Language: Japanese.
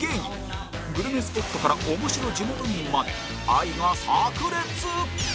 今夜はグルメスポットから面白地元民まで愛が炸裂！